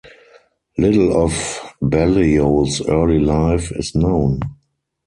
Little of Balliol's early life is known.